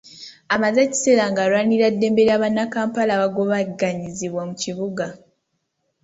Amaze ekiseera ng’alwanirira eddembe lya bannakampala abagobaganyizibwa mu kibuga.